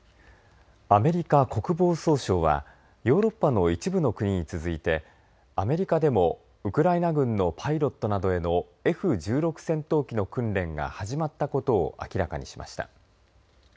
アメリカ国防総省はヨーロッパの一部の国に続いてアメリカでもウクライナ軍のパイロットなどへのＦ１６戦闘機の訓練が始まったことを明らかにしました。